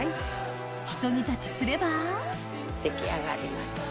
ひと煮立ちすれば出来上がりました。